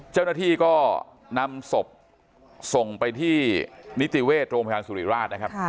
เจ้าหน้าที่ก็นำศพส่งไปที่นิติเวชโรงพยาบาลสุริราชนะครับ